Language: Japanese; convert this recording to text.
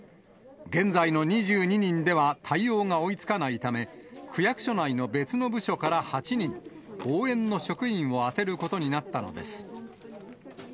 現在の２２人では対応が追いつかないため、区役所内の別の部署から８人、応援の職員を充てることになったのです。